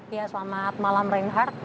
ya selamat malam reinhardt